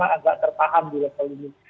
tapi memang agak tertahan dulu kali ini